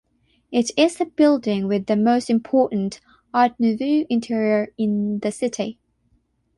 It is the building with the most important Art Nouveau interior in the city.